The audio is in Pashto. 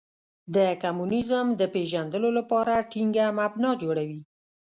د کمونیزم د پېژندلو لپاره ټینګه مبنا جوړوي.